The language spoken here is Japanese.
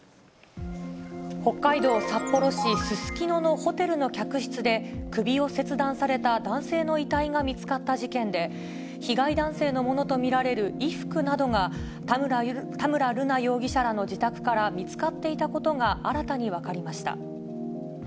北海道札幌市ススキノのホテルの客室で、首を切断された男性の遺体が見つかった事件で、被害男性のものと見られる衣服などが、田村瑠奈容疑者らの自宅から見つかっていたことが、新たに分かりました。